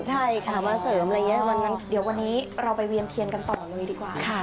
ใช่ค่ะมาเสริมอะไรอย่างนี้เดี๋ยววันนี้เราไปเวียนเทียนกันต่อเลยดีกว่าค่ะ